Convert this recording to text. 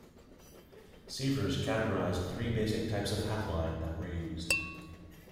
Sievers categorized three basic types of half-line that were used.